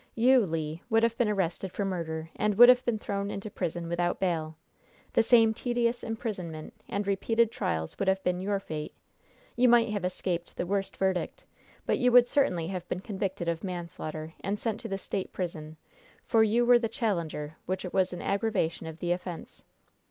You, Le, would have been arrested for murder, and would have been thrown into prison without bail. The same tedious imprisonment and repeated trials would have been your fate; you might have escaped the worst verdict, but you would certainly have been convicted of manslaughter and sent to the State prison, for you were the challenger, which was an aggravation of the offense.